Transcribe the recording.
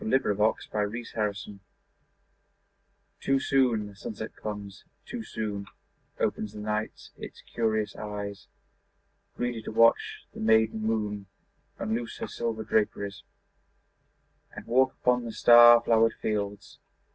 Edna St. Vincent Millay Luna TOO soon the sunset comes; too soon Opens the night its curious eyes, Greedy to watch the maiden moon Unloose her silver draperies And walk upon the star flowered fields.